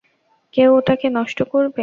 কেন ওটাকে নষ্ট করবে?